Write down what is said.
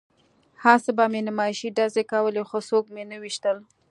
هسې به مې نمایشي ډزې کولې خو څوک مې نه ویشتل